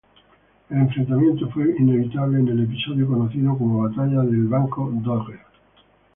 El enfrentamiento fue inevitable, en el episodio conocido como Batalla del Banco Dogger.